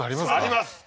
あります！